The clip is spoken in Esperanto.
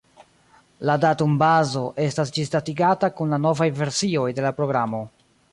La datumbazo estas ĝisdatigata kun la novaj versioj de la programo.